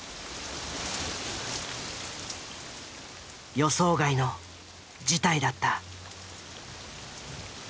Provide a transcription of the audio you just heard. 予想外の事態だった。